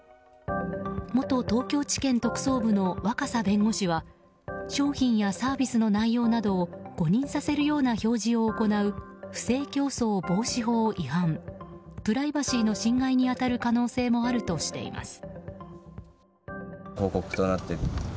元東京地検特捜部の若狭弁護士は商品やサービスの内容などを誤認させるような表示を行う不正競争防止法違反プライバシーの侵害に当たる可能性もあるとしています。